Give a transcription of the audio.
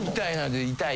痛い。